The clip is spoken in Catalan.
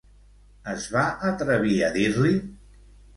Es va atrevir a dir-li?